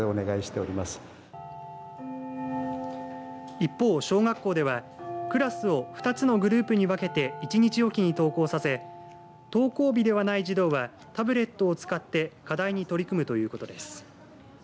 一方、小学校ではクラスを２つのグループに分けて１日おきに登校させ登校日ではない児童はタブレットを使って課題に取り組むということです。